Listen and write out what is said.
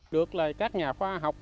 được là các nhà khoa học